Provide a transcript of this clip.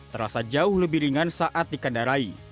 terasa jauh lebih ringan saat dikendarai